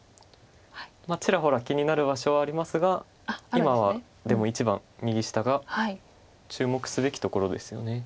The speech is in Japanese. ちらほら気になる場所はありますが今はでも一番右下が注目すべきところですよね。